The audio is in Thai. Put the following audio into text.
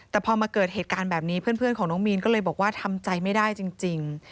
แต่พอมาเกิดเหตุการณ์แบบนี้เพื่อนของน้องมีนก็เลยบอกว่าทำใจไม่ได้จริง